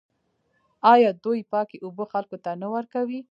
آیا دوی پاکې اوبه خلکو ته نه ورکوي؟